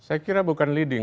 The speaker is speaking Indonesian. saya kira bukan leading